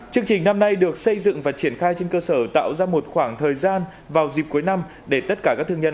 chương trình năm nay được xây dựng và triển khai trên cơ sở tạo ra một khoảng thời gian vào dịp cuối năm để tất cả các thương nhân